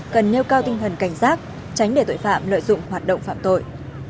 cần nêu cao tinh thần cảnh giác tránh để tội phạm lợi dụng hoạt động phạm tội